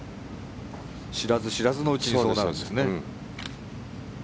知らず知らずのうちにそうなるんですね。